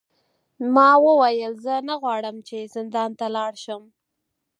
ما وویل زه نه غواړم چې زندان ته لاړ شم.